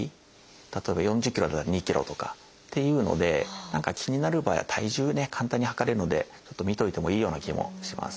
例えば４０ｋｇだったら２ｋｇとかっていうので何か気になる場合は体重ね簡単に量れるのでちょっと見といてもいいような気もします。